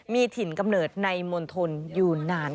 มีถิ่นกำเนิดในมณฑลอยู่นาน